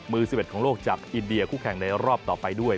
มือ๑๑ของโลกจากอินเดียคู่แข่งในรอบต่อไปด้วย